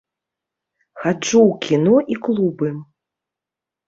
Хаджу ў кіно і клубы.